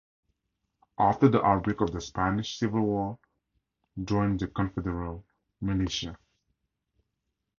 After the outbreak of the Spanish Civil War joined the confederal militias.